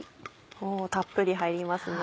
おたっぷり入りますね。